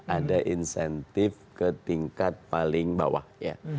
ada insentif ke tingkat paling bawah ya